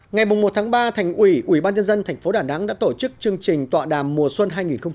ngày một ba thành ủy ủy ban nhân dân tp đà nẵng đã tổ chức chương trình tọa đàm mùa xuân hai nghìn một mươi chín